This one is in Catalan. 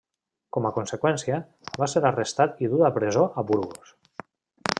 Com a conseqüència, va ser arrestat i dut a presó a Burgos.